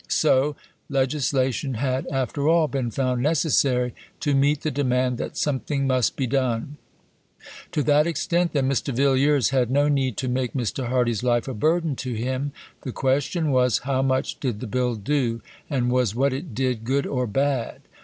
So, legislation had, after all, been found necessary to meet the demand that something must be done. To that extent, then, Mr. Villiers had no need to make Mr. Hardy's life a burden to him. The question was, How much did the Bill do? and was what it did, good or bad?